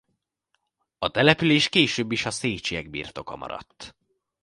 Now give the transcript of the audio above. A település később is a Széchyek birtoka maradt.